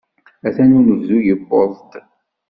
Atan unebdu yewweḍ-d.